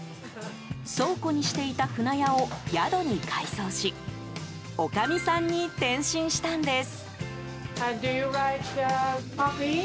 倉庫にしていた舟屋を宿に改装しおかみさんに転身したんです。